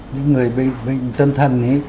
những người bị bệnh tâm thần